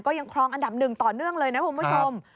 ยังครองอันดับหนึ่งต่อเนื่องเลยนะคุณผู้ชม